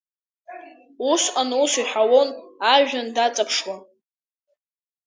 Усҟан ус иҳәалон ажәҩан даҵаԥшуа…